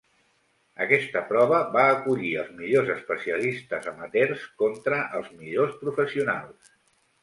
Aquesta prova va acollir els millors especialistes amateurs contra els millors professionals.